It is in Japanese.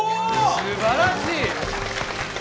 すばらしい！